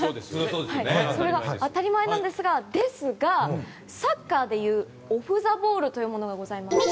それが当たり前なんですがサッカーでいうオフ・ザ・ボールというのがあります。